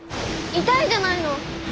痛いじゃないの。